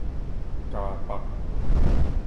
嘉北